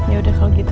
ya sudah kalau gitu